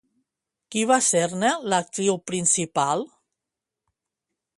Qui va ser-ne l'actriu principal?